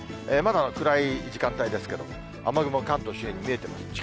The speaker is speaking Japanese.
まだ暗い時間帯ですけども、雨雲、関東周辺に見えています。